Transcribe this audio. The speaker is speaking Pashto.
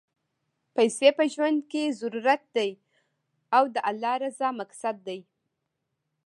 پیسی په ژوند کی ضرورت دی، او د اللهﷻ رضا مقصد دی.